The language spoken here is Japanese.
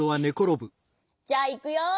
じゃあいくよ！